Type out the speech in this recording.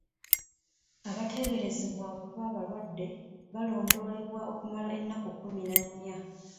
Abateeberezebwa okuba abalwadde balondoolebwa okumala ennaku kkumi na nnya.